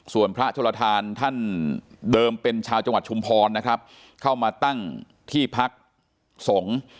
ส่วนพระโชลทานท่านเดิมเป็นชาวจังหวัดชุมพรนะครับเข้ามาตั้งที่พักสงฆ์